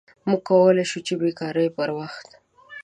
موږ کولی شو چې د بیکارۍ پر وخت